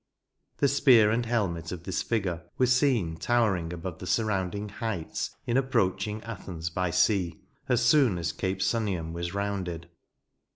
The spear and helmet of this figure were seen towering above the surrounding heights in approaching Athens by sea, as soon as Cape Sunium was rounded.